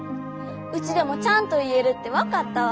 ウチでもちゃんと言えるって分かったわ。